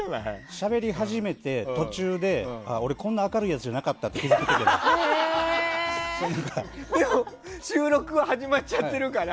しゃべり始めて、途中で俺こんな明るいやつじゃでも、収録が始まっちゃってるから。